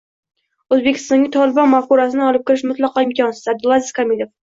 O‘zbekistonga ‘Tolibon’ mafkurasini olib kirish mutlaqo imkonsiz — Abdulaziz Komilov